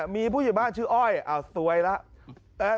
มีผู้ใหญ่บ้านชื่ออ้อยสวยแล้ว